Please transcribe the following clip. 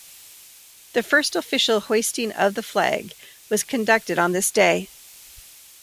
The first official hoisting of the flag was conducted on this day.